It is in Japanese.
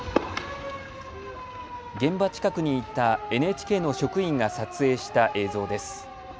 現場近くにいたＮＨＫの職員が撮影した映像です。